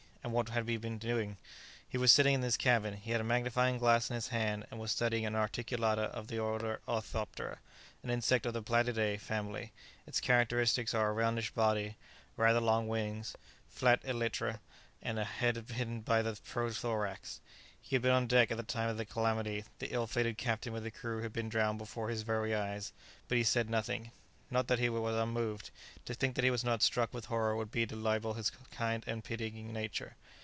and what had he been doing? He was sitting in his cabin; he had a magnifying glass in his hand and was studying an articulata of the order orthoptera, an insect of the Blattidae family; its characteristics are a roundish body, rather long wings, flat elytra, and a head hidden by the prothorax. He had been on deck at the time of the calamity; the ill fated captain with the crew had been drowned before his very eyes; but he said nothing; not that he was unmoved; to think that he was not struck with horror would be to libel his kind and pitying nature.